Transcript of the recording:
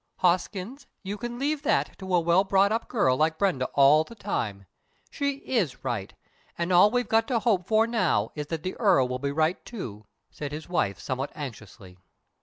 "Hoskins, you can leave that to a well brought up girl like Brenda all the time. She is right, and all we've got to hope for now is that the Earl will be right too," said his wife somewhat anxiously.